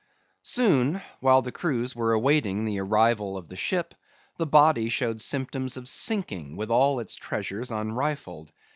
Soon, while the crews were awaiting the arrival of the ship, the body showed symptoms of sinking with all its treasures unrifled.